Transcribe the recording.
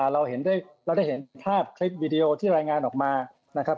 เราได้เห็นภาพคลิปวิดีโอที่รายงานออกมานะครับ